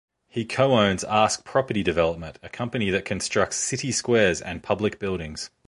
He co-owns Ask Property Development, a company that constructs city squares and public buildings.